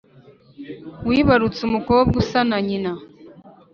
Wibarutse umukobwa usa na nyina